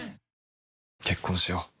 「結婚しよう」